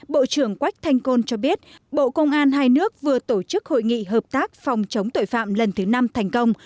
bộ trưởng quách thanh côn cho biết bộ công an hai nước vừa tổ chức hội nghị hợp tác phòng chống tội phạm lần thứ năm thành công